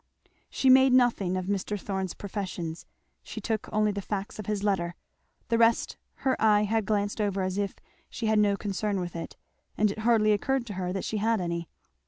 She made nothing of Mr. Thorn's professions; she took only the facts of his letter; the rest her eye had glanced over as if she had no concern with it, and it hardly occurred to her that she had any.